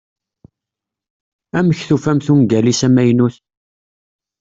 Amek tufamt ungal-is amaynut?